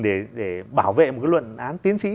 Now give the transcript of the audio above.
để bảo vệ một cái luận án tiến sĩ